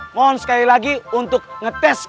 mohon sekali lagi untuk ngetes